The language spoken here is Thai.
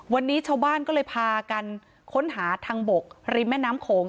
วันนี้ชาวบ้านก็เลยพากันค้นหาทางบกริมแม่น้ำโขง